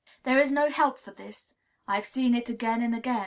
There is no help for this; I have seen it again and again.